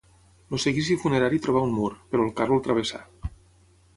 El seguici funerari trobà un mur, però el carro el travessà.